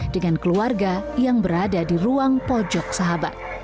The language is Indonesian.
dengan keluarga yang berada di ruang pojok sahabat